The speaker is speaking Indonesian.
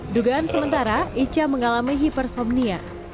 dugaan sementara ica mengalami hipersomnia